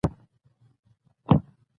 وروسته غوړي ور زیات کړئ تر څو پوښ جوړ شي.